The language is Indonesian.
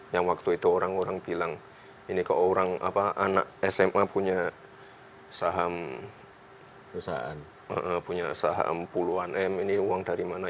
yang waktu itu orang orang bilang ini kok orang anak sma punya saham punya saham puluhan m ini uang dari mana